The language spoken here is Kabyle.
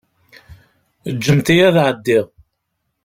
Ǧǧemt-iyi ad ɛeddiɣ.